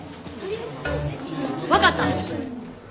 分かった！